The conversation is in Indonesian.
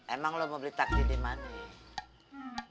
emang lu mau beli takjil di mana ya